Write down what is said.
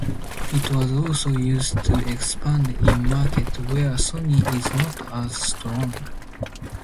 It was also used to expand in markets where Sony is not as strong.